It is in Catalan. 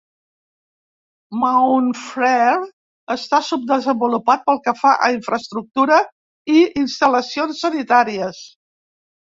Mount Frere està subdesenvolupat pel que fa a infraestructura i instal·lacions sanitàries.